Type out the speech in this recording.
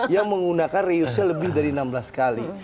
yang menggunakan reuse nya lebih dari enam belas kali